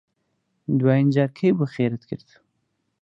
دوایین جار کەی بوو خێرت کرد؟